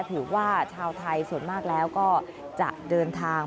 ถือว่าชาวไทยส่วนมากแล้วก็จะเดินทาง